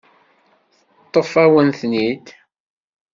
Teṭṭef-awen-ten-id.